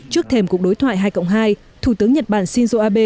trước thềm cuộc đối thoại hai cộng hai thủ tướng nhật bản shinzo abe